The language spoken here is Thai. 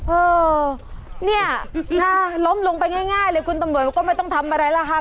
เออเนี่ยนะล้มลงไปง่ายเลยคุณตำรวจเขาก็ไม่ต้องทำอะไรล่ะค่ะ